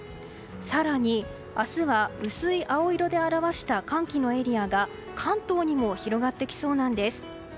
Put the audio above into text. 更に、明日は薄い青色で表した寒気のエリアが関東にも広がってきそうなんです。